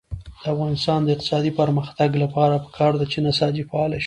د افغانستان د اقتصادي پرمختګ لپاره پکار ده چې نساجي فعاله شي.